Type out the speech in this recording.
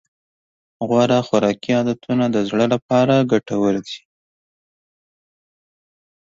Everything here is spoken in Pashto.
غوره خوراکي عادتونه د زړه لپاره ګټور دي.